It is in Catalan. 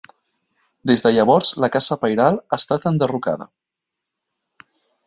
Des de llavors la casa pairal ha estat enderrocada.